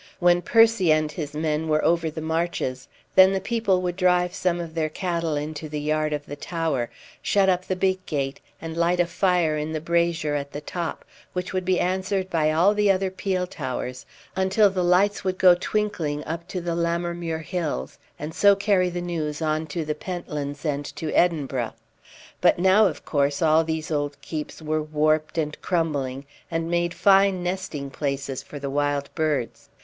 When Percy and his men were over the Marches, then the people would drive some of their cattle into the yard of the tower, shut up the big gate, and light a fire in the brazier at the top, which would be answered by all the other Peel towers, until the lights would go twinkling up to the Lammermuir Hills, and so carry the news on to the Pentlands and to Edinburgh. But now, of course, all these old keeps were warped and crumbling, and made fine nesting places for the wild birds.